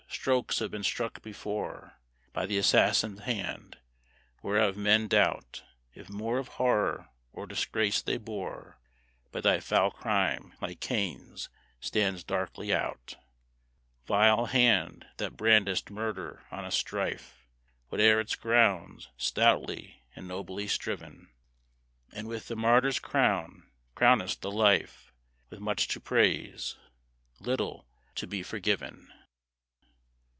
Strokes have been struck before By the assassin's hand, whereof men doubt If more of horror or disgrace they bore; But thy foul crime, like Cain's, stands darkly out, Vile hand, that brandest murder on a strife, Whate'er its grounds, stoutly and nobly striven, And with the martyr's crown, crownest a life With much to praise, little to be forgiven.